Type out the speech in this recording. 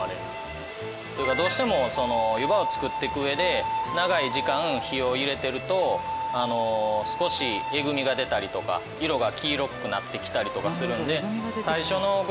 どうしても湯葉を作っていく上で長い時間火を入れてると少しエグみが出たりとか色が黄色くなってきたりとかするので。